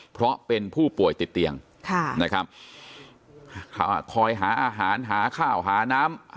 เพราะเป็นผู้ป่วยติดเตียงค่ะนะครับคอยหาอาหารหาข้าวหาน้ำ